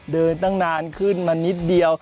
เดินตั้งนานขึ้นมานิดเดียว